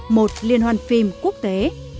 một liên hoan phim quốc tế